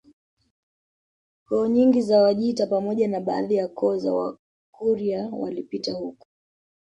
Koo nyingi za Wajita pamoja na baadhi ya koo za Wakurya walipita huko